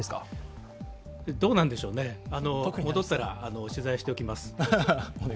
どうなんでしょうね、戻ったら取材しておきます。